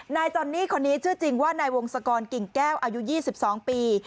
นายจอนนี่คนนี้เชื่อจริงว่าในวงศกรกิ่งแก้วอายุยี่สิบสองปี